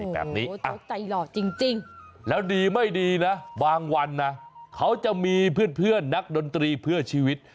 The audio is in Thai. แบบนี้เขาใจหล่อจริงแล้วดีไม่ดีนะบางวันนะเขาจะมีเพื่อนนักดนตรีเพื่อชีวิต